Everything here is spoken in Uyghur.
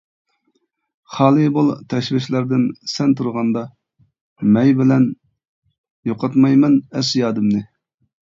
خالى بول تەشۋىشلەردىن سەن تۇرغاندا، مەي بىلەن يوقاتمايمەن ئەس-يادىمنى.